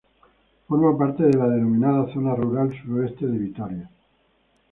Forma parte de la denominada Zona Rural Suroeste de Vitoria.